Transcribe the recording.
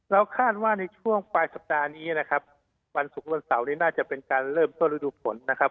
คาดว่าในช่วงปลายสัปดาห์นี้นะครับวันศุกร์วันเสาร์นี้น่าจะเป็นการเริ่มต้นฤดูฝนนะครับ